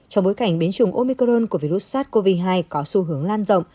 trong bối cảnh biến chủng omicron của virus sars cov hai có xu hướng lan rộng